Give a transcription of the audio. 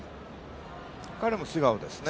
彼も菅生ですね。